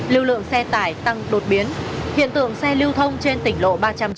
lưu lượng xe tải tăng đột biến hiện tượng xe lưu thông trên tỉnh lộ ba trăm chín mươi